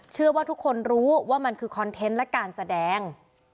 เชื่อว่าทุกคนรู้ว่ามันคือคอนเทนต์และการแสดง